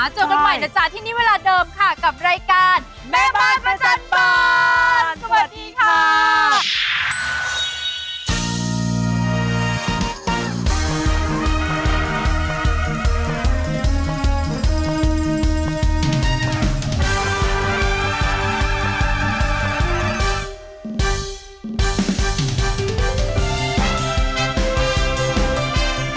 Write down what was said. เจอกันใหม่นะจ๊ะที่นี่เวลาเดิมค่ะกับรายการแม่บ้านประจำบานสวัสดีค่ะ